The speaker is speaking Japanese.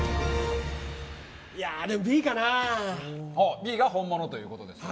Ｂが本物ということですね。